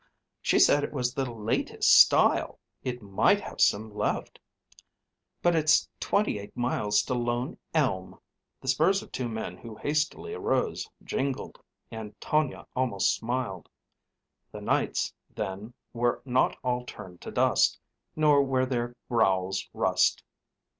She said it was the latest style. It might have some left. But it's twenty eight miles to Lone Elm." The spurs of two men who hastily arose jingled; and Tonia almost smiled. The Knights, then, were not all turned to dust; nor were their rowels rust.